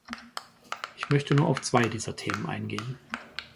Ich möchte nur auf zwei dieser Themen eingehen.